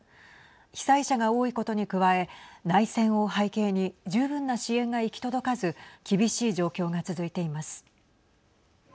被災者が多いことに加え内戦を背景に十分な支援が行き届かず厳しい状況が続いています。